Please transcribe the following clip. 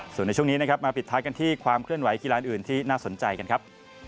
ส่วนในช่วงนี้นะครับมาปิดท้ายกันที่ความเคลื่อนไหกีฬานอื่นที่น่าสนใจกันครับ